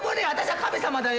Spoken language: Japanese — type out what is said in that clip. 神様だよ。